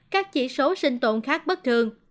các chỉ số sinh tồn khác bất thường